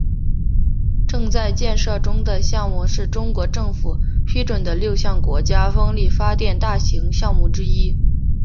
正在建设中的项目是中国政府批准的六项国家风力发电大型项目之一。